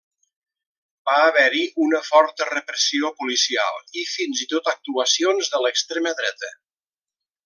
Va haver-hi una forta repressió policial i, fins i tot, actuacions de l'extrema dreta.